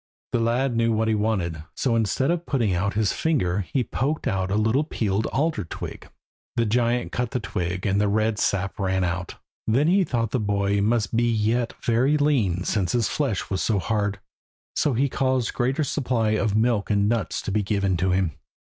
The lad knew what he wanted; so instead of putting out his finger he poked out a little peeled alder twig. The giant cut the twig, and the red sap ran out. Then he thought the boy must be yet very lean since his flesh was so hard, so he caused a greater supply of milk and nuts to be given to him.